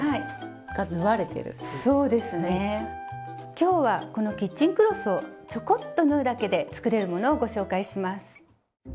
今日はこのキッチンクロスをちょこっと縫うだけで作れるものをご紹介します。